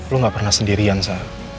lo gak pernah sendirian sa